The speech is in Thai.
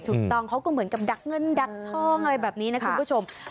ถูกต้องเขาก็เหมือนกับดักเงินดักทองอะไรแบบนี้นะคุณผู้ชม